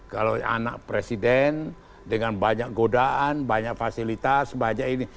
kalau anak presiden dengan banyak godaan banyak fasilitas banyak ini